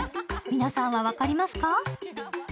皆さんは分かりますか？